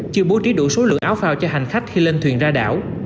chưa bố trí đủ số lượng áo phao cho hành khách khi lên thuyền ra đảo